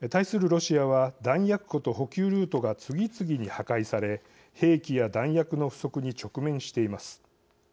ロシアは弾薬庫と補給ルートが次々に破壊され兵器や弾薬の不足に直面しています。